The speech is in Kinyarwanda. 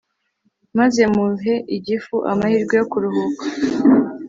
maze muhe igifu amahirwe yo kuruhuka